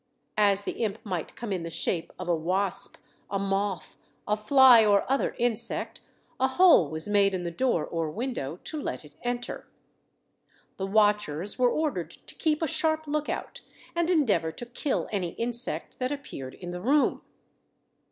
As the imp might come in the shape of a wasp, a moth, a fly, or other insect, a hole was made in the door or window to let it enter. The watchers were ordered to keep a sharp look out, and endeavour to kill any insect that appeared in the room.